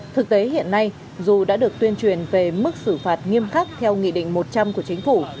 thực tế hiện nay dù đã được tuyên truyền về mức xử phạt nghiêm khắc theo nghị định một trăm linh của chính phủ